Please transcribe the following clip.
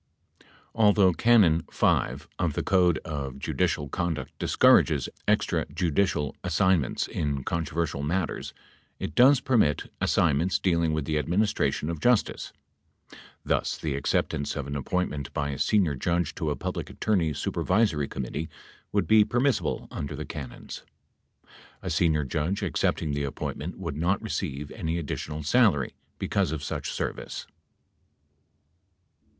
8 Although Canon 5(g) of the Code of Judicial Conduct discourages extra judicial assignments in controversial matters, it does permit as signments dealing with "the administration of justice." Thus, the acceptance of an appointment by a senior judge to a Public Attorney Supervisory Committee would be permissible under the canons. A senior judge accepting the appointment would not receive any addi tional salary because of such service.